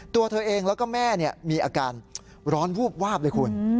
ตัวเธอเองแล้วก็แม่มีอาการร้อนวูบวาบเลยคุณ